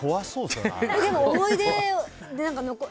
でも、思い出